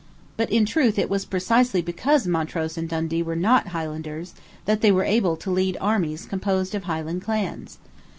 But in truth it was precisely because Montrose and Dundee were not Highlanders, that they were able to lead armies composed of Highland clans.